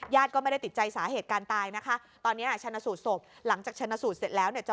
ก็ไม่ได้ติดใจสาเหตุการณ์ตายนะคะตอนนี้ชนะสูตรศพหลังจากชนะสูตรเสร็จแล้วเนี่ย